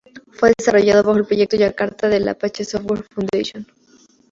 Fue desarrollado bajo el Proyecto Jakarta de la Apache Software Foundation.